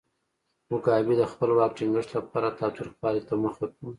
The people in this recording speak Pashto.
موګابي د خپل واک ټینګښت لپاره تاوتریخوالي ته مخه کړه.